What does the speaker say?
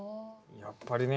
やっぱりね